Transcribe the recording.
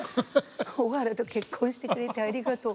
「小原と結婚してくれてありがとう。